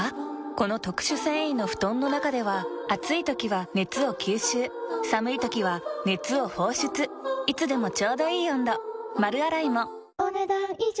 この特殊繊維の布団の中では暑い時は熱を吸収寒い時は熱を放出いつでもちょうどいい温度丸洗いもお、ねだん以上。